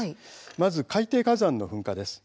まず右上、海底火山の噴火です。